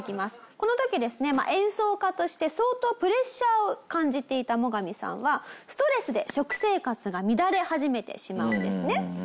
この時ですね演奏家として相当プレッシャーを感じていたモガミさんはストレスで食生活が乱れ始めてしまうんですね。